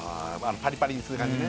パリパリにする感じね